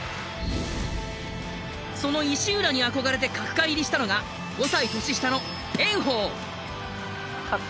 その石浦に憧れて角界入りしたのが５歳年下の炎鵬。